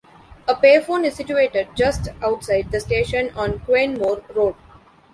A payphone is situated just outside the station on Quernmore Road.